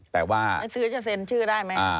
ซื้อจะเซ็นชื่อได้ไหม